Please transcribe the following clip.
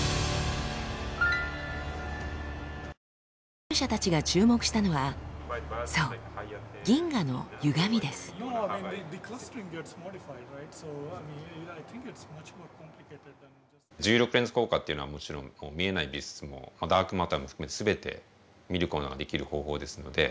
研究者たちが注目したのはそう重力レンズ効果っていうのはもちろん見えない物質もダークマターも含めてすべて見ることのできる方法ですので。